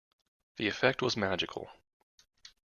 The effect was magical.